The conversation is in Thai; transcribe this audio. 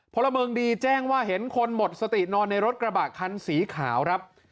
พลเมืองดีแจ้งว่าเห็นคนหมดสตินอนในรถกระบะคันสีขาวครับ